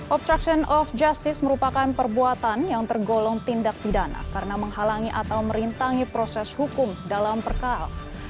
obstruction of justice merupakan perbuatan yang tergolong tindak pidana karena menghalangi atau merintangi proses hukum dalam perkara